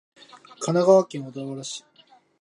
神奈川県小田原市